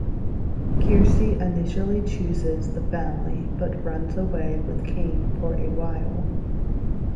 Kirsty initially choose's the family but runs away with Kane for a while.